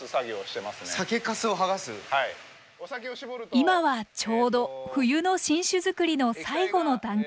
今はちょうど冬の新酒造りの最後の段階。